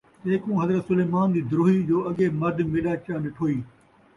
تیکوں حضرت سلیمان دی دروہی جو اڳے مرد میݙا چا نٹھوئی